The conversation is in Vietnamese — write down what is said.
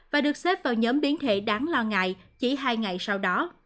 và được xếp vào nhóm biến thể đáng lo ngại chỉ hai ngày sau đó